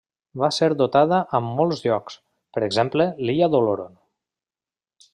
Va ser dotada amb molts llocs, per exemple l'illa d'Oloron.